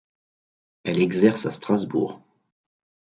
Elle exerce à Strasbourg.